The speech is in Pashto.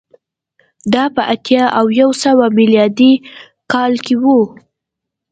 دا په اتیا او یو سوه میلادي کال کې و